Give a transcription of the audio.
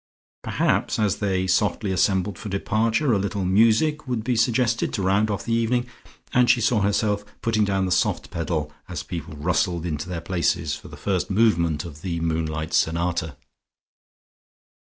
Perhaps as they softly assembled for departure, a little music would be suggested to round off the evening, and she saw herself putting down the soft pedal as people rustled into their places, for the first movement of the "Moonlight Sonata."